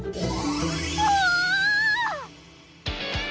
うわ！